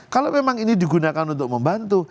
kalau memang ini digunakan untuk membantu